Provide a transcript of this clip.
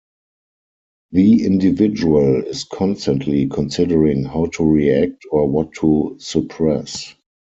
The individual is constantly considering how to react or what to suppress.